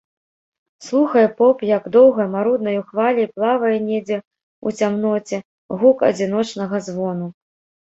Слухае поп, як доўгай, маруднаю хваляй плавае недзе ў цямноце гук адзіночнага звону.